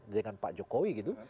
dengan pak jokowi gitu